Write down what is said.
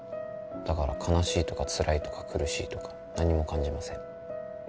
だから悲しいとかつらいとか苦しいとか何も感じません